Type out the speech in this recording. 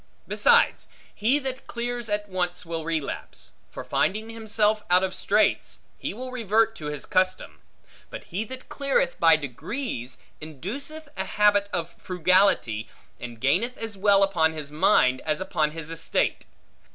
Besides, he that clears at once will relapse; for finding himself out of straits, he will revert to his custom: but he that cleareth by degrees, induceth a habit of frugality, and gaineth as well upon his mind, as upon his estate.